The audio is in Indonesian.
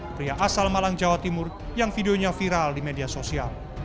pria asal malang jawa timur yang videonya viral di media sosial